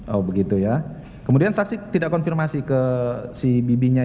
oh begitu ya kemudian saksi tidak konfirmasi ke si bibinya